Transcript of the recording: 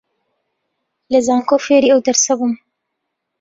لە زانکۆ فێری ئەو دەرسە بووم